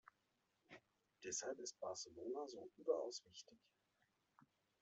Deshalb ist Barcelona so überaus wichtig.